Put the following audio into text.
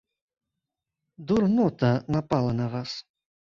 Дурнота напала на вас!